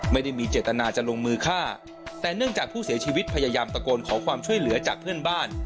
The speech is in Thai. ไม่ได้มีเจตนาจะลงมือฆ่าแต่เนื่องจากผู้เสียชีวิตพยายามตะโกนขอความช่วยเหลือจากเพื่อนบ้าน